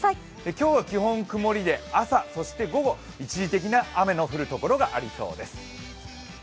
今日は基本、曇りで朝、そして午後、一時的に雨が降る所がありそうです。